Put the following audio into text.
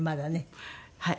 はい。